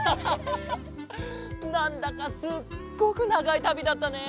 なんだかすっごくながいたびだったね。